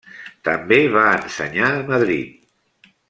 També va ensenyar a Madrid.